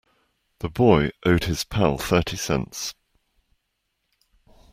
The boy owed his pal thirty cents.